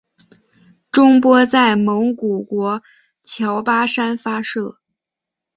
中波在蒙古国乔巴山发射。